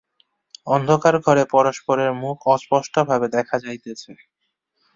অন্ধকার ঘরে পরস্পরের মুখ অস্পষ্ট ভাবে দেখা যাইতেছে।